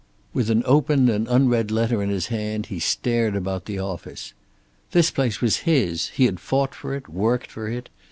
With an open and unread letter in his hand he stared about the office. This place was his; he had fought for it, worked for it.